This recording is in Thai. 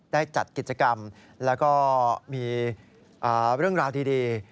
ได้จัดกิจกรรมแล้วก็มีเรื่องราวดี